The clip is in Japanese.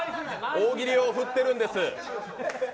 大喜利を降ってるんです